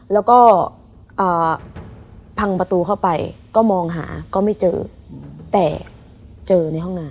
แล้วก็พังประตูเข้าไปก็มองหาก็ไม่เจอแต่เจอในห้องน้ำ